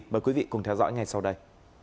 mời quý vị cùng theo dõi ngay sau đây